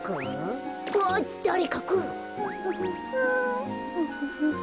あっだれかくる。